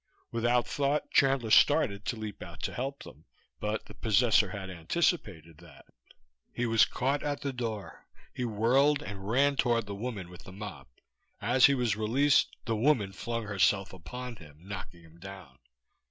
Without thought Chandler started to leap out to help them; but the possessor had anticipated that. He was caught at the door. He whirled and ran toward the woman with the mop; as he was released, the woman flung herself upon him, knocking him down.